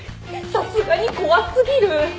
さすがに怖過ぎる。